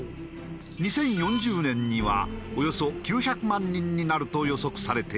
２０４０年にはおよそ９００万人になると予測されている。